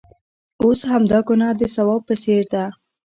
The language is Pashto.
اوس همدا ګناه د ثواب په څېر ده.